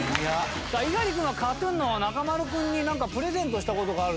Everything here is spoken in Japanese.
猪狩君はＫＡＴ−ＴＵＮの中丸君になんかプレゼントした事があるって話を。